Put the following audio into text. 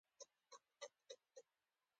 د پیرودونکي خوښي د بازار وده ده.